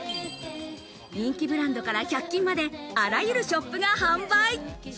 人気ブランドから１００均まであらゆるショップが販売。